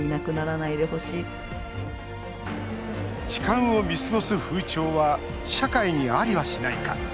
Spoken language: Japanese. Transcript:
痴漢を見過ごす風潮は社会にありはしないか。